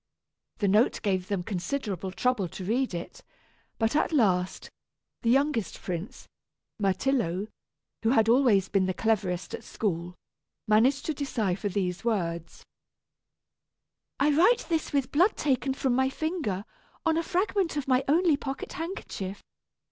The note gave them considerable trouble to read it, but, at last, the youngest prince, Myrtillo, who had always been the cleverest at school, managed to decipher these words: "I write this with blood taken from my finger, on a fragment of my only pocket handkerchief.